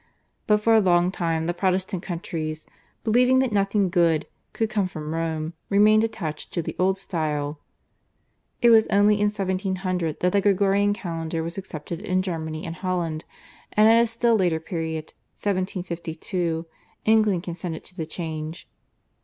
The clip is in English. But for a long time the Protestant countries, believing that nothing good could come from Rome, remained attached to the old style. It was only in 1700 that the Gregorian Calendar was accepted in Germany and Holland, and at a still later period (1752) England consented to the change.